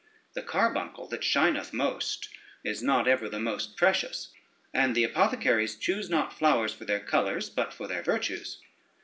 The carbuncle that shineth most is not ever the most precious; and the apothecaries choose not flowers for their colors, but for their virtues.